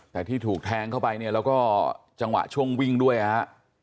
แต่ที่ถูกแทงเข้าไปเนี่ยแล้วก็จังหวะช่วงวิ่งด้วยฮะ